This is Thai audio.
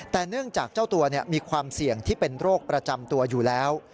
แต่เนื่องจากเจ้าตัวมีความเสี่ยงที่เป็นโรคประจำตัวอยู่แล้ว